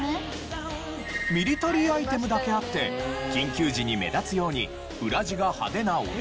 ミリタリーアイテムだけあって緊急時に目立つように裏地が派手なオレンジ色なのも特徴。